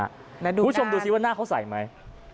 คุณผู้ชมดูสิว่าหน้าเขาใส่ไหม